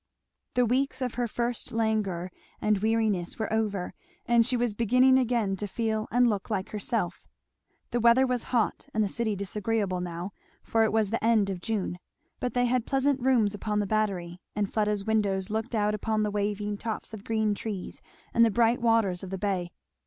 The weeks of her first languor and weariness were over, and she was beginning again to feel and look like herself. The weather was hot and the city disagreeable now, for it was the end of June; but they had pleasant rooms upon the Battery, and Fleda's windows looked out upon the waving tops of green trees and the bright waters of the bay.